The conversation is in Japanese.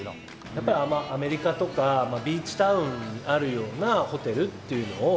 やっぱりアメリカとかビーチタウンにあるようなホテルっていうのをイメージして。